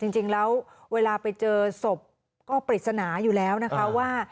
จริงแล้วเวลาไปเจอศพก็ปริศนาอยู่แล้วนะคะว่า